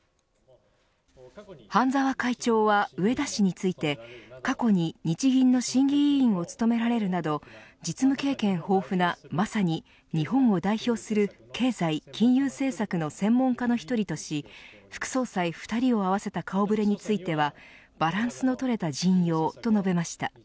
半沢会長は植田氏について過去に日銀の審議委員を務められるなど実務経験豊富なまさに日本を代表する経済・金融政策の専門家の１人とし副総裁２人を合わせた顔ぶれについてはバランスの取れた陣容と述べました。